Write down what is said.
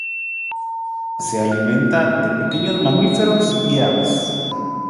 Se alimenta de pequeños mamíferos y aves.